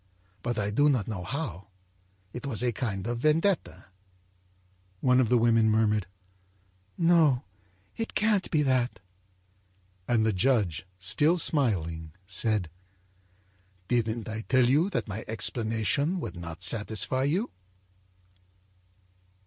But I don't know how. It was a kind of vendetta.â One of the women murmured: âNo, it can't be that.â And the judge, still smiling, said: âDidn't I tell you that my explanation would not satisfy you?